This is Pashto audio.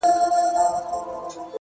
چي ټوله ورځ ستا د مخ لمر ته ناست وي،